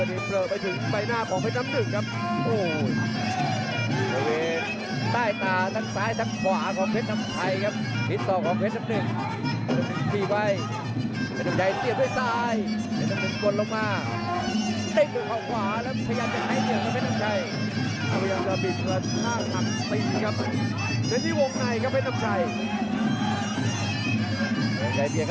ดูครับจังหวะพันธุ์สองของแพทย์น้ำตึง